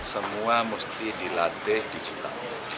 semua mesti dilatih digital